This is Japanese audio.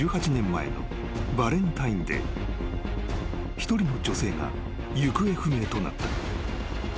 ［一人の女性が行方不明となった］